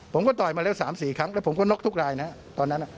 ต่อยมาแล้ว๓๔ครั้งแล้วผมก็น็อกทุกรายนะตอนนั้น